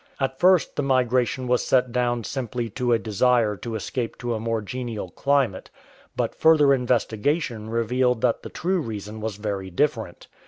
At first the migration was set down simply to a desire to escape to a more genial climate, but fuller investigation revealed that the true reason was very different.